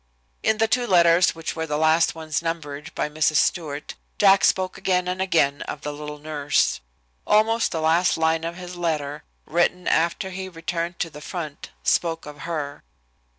In the two letters which were the last ones numbered by Mrs. Stewart, Jack spoke again and again of the little nurse. Almost the last line of his last letter, written after he returned to the front, spoke of her.